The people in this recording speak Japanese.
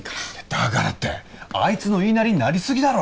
だからってあいつの言いなりになりすぎだろ！